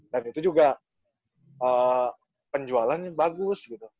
dan itu juga penjualannya bagus gitu